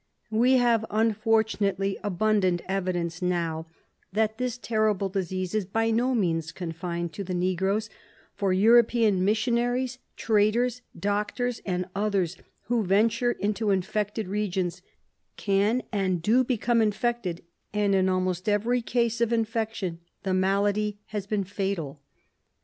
We have, unfortunately, abundant evidence now that this terrible disease is by no means con fined to the negroes, for European missionaries, traders, doctors and others who venture into infected regions can and do become infected, and in almost every case of infec tion the malady has been fatal.